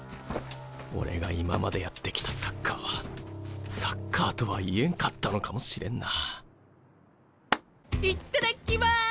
俺が今までやってきたサッカーはサッカーとは言えんかったのもしれんなあ。いっただっきます！